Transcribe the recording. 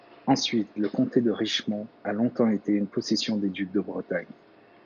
Ensuite, le comté de Richmond a longtemps été une possession des ducs de Bretagne.